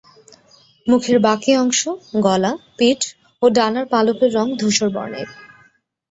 মুখের বাকি অংশ, গলা, পিঠ ও ডানার পালকের রঙ ধূসর বর্ণের।